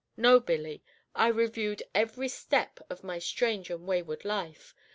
No, Billy; I reviewed every step of my strange and wayward life.